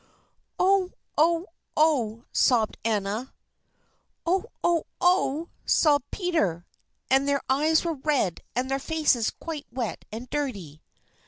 "Oh! oh! oh!" sobbed Anna. "Oh! oh! oh!" sobbed Peter. And their eyes were red and their faces quite wet and dirty.